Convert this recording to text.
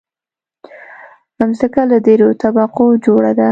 مځکه له دریو طبقو جوړه ده.